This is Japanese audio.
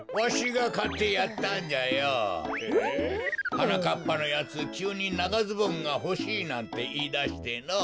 はなかっぱのやつきゅうにながズボンがほしいなんていいだしてのぉ。